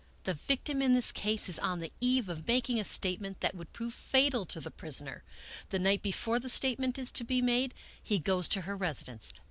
" The victim in this case is on the eve of making a state ment that would prove fatal to the prisoner. The night be fore the statement is to be made he goes to her residence.